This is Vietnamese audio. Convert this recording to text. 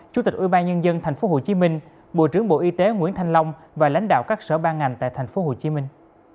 chủ tịch ubnd thành phố hồ chí minh bộ trưởng bộ y tế nguyễn thanh long và lãnh đạo các sở ban ngành tại thành phố hồ chí minh